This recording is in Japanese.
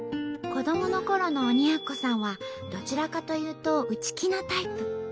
子どものころの鬼奴さんはどちらかというと内気なタイプ。